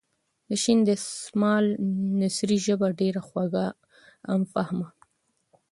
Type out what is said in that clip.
د شین دسمال نثري ژبه ډېره خوږه ،عام فهمه.